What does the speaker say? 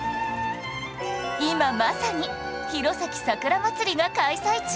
今まさに弘前さくらまつりが開催中！